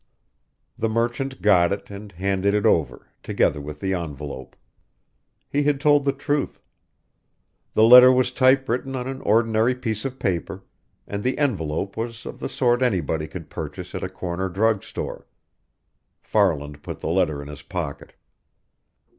The merchant got it and handed it over, together with the envelope. He had told the truth. The letter was typewritten on an ordinary piece of paper, and the envelope was of the sort anybody could purchase at a corner drug store. Farland put the letter in his pocket.